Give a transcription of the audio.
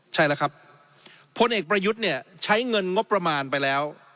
ใช่แล้วครับพลเอกประยุทธ์เนี่ยใช้เงินงบประมาณไปแล้ว